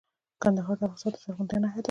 کندهار د افغانستان د زرغونتیا نښه ده.